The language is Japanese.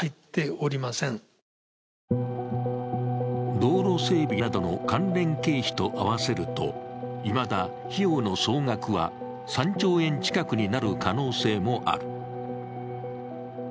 道路整備などの関連経費と合わせるといまだ費用の総額は３兆円近くになる可能性もある。